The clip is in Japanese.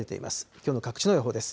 きょうの各地の予報です。